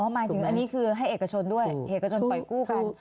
หมายถึงอันนี้คือให้เอกชนด้วยเอกชนปล่อยกู้กัน